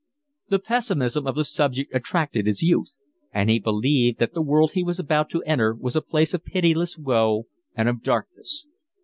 The pessimism of the subject attracted his youth; and he believed that the world he was about to enter was a place of pitiless woe and of darkness.